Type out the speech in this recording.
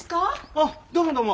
あっどうもどうも。